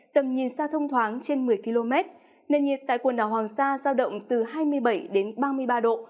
tầm nhìn xa thông thoáng trên một mươi km nền nhiệt tại quần đảo hoàng sa giao động từ hai mươi bảy đến ba mươi ba độ